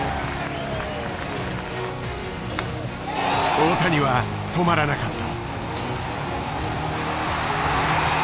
大谷は止まらなかった。